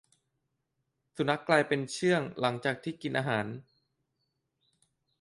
สุนัขกลายเป็นเชื่องหลังจากที่กินอาหาร